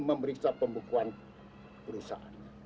memeriksa pembukuan perusahaan